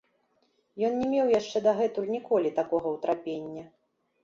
Ён не меў яшчэ дагэтуль ніколі такога ўтрапення.